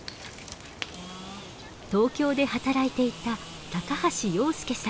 東京で働いていた橋洋介さんです。